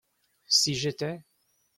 Si j’étais.